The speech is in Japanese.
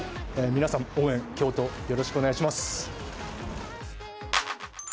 皆さん、応援よろしくお願いします。